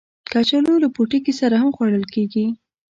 کچالو له پوټکي سره هم خوړل کېږي